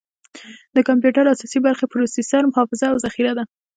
د کمپیوټر اساسي برخې پروسیسر، حافظه، او ذخیره ده.